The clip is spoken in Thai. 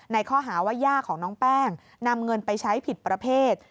ข้อหาว่าย่าของน้องแป้งนำเงินไปใช้ผิดประเภท